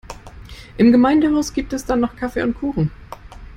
Im Gemeindehaus gibt es dann noch Kaffee und Kuchen.